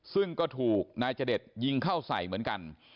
ซึ่งก็ถูกนายจเดชยิงเข้าใส่เหมือนกัน